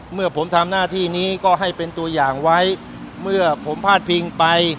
เมื่อผมทำหน้าที่นี้ก็ให้เป็นตัวอย่างไว้เมื่อผมพาดพิงไป